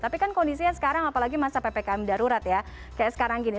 tapi kan kondisinya sekarang apalagi masa ppkm darurat ya kayak sekarang gini